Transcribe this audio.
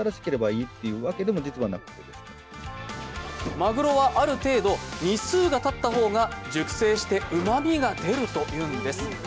マグロはある程度日数がたった方が熟成してうまみが出るというんです。